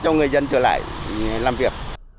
cho người dân trở lại làm việc